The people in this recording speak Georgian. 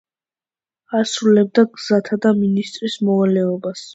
ასრულებდა გზათა მინისტრის მოვალეობას.